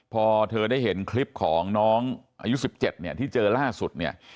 พอเธอได้เห็นคลิปของน้องอายุ๑๗เนี่ยที่เจอล่าสุดเนี่ย